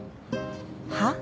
はっ？